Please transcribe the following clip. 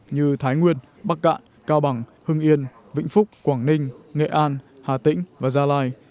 như thái nguyên bắc cạn cao bằng hưng yên vĩnh phúc quảng ninh nghệ an hà tĩnh và gia lai